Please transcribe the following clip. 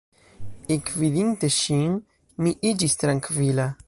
Ekvidinte ŝin, mi iĝis trankvila.